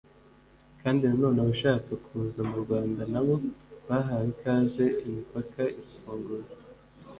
kandi nanone abashaka kuza mu Rwanda na bo bahawe ikaze imipaka irafunguye